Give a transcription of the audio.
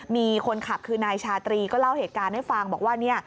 มีคนขับคือนายชาตรีก็เล่าเหตุการณ์ให้ฟังบอกว่า